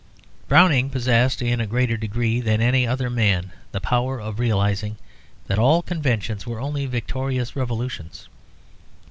Browning possessed in a greater degree than any other man the power of realising that all conventions were only victorious revolutions.